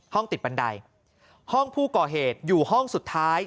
ติดบันไดห้องผู้ก่อเหตุอยู่ห้องสุดท้าย